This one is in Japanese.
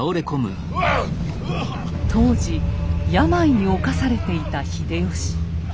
当時病に侵されていた秀吉。